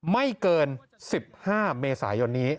ไม่เกิน๑๕เมษายนนี้